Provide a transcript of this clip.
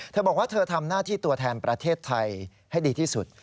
บอกว่าเธอทำหน้าที่ตัวแทนประเทศไทยให้ดีที่สุด